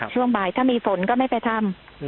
ช่วงบ่ายถ้ามีฝนก็ไม่ไปทำ